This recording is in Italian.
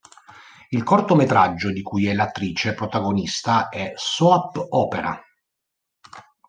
Il cortometraggio di cui è l'attrice protagonista è "Soap Opera".